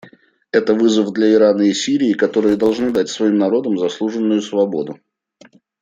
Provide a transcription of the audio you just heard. Это вызов для Ирана и Сирии, которые должны дать своим народам заслуженную свободу.